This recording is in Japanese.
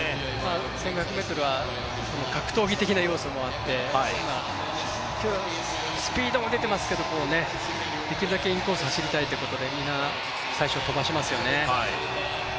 １５００ｍは格闘技的な要素もあって、スピードも出ていますけど、できるだけインコース走りたいということでみんな最初とばしますよね。